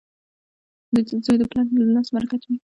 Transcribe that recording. • زوی د پلار د لاس برکت وي.